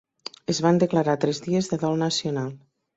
Es van declarar tres dies de dol nacional.